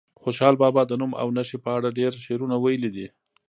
خوشحال بابا د نوم او نښې په اړه ډېر شعرونه ویلي دي.